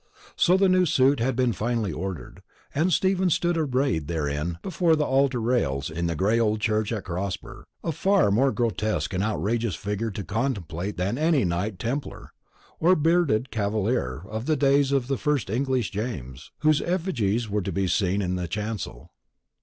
So the new suit had been finally ordered; and Stephen stood arrayed therein before the altar rails in the gray old church at Crosber, a far more grotesque and outrageous figure to contemplate than any knight templar, or bearded cavalier of the days of the first English James, whose effigies were to be seen in the chancel.